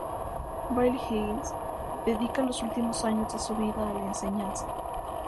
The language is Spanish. Billy Higgins dedica los últimos años de su vida a la enseñanza.